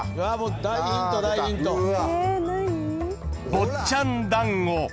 ［坊っちゃん団子］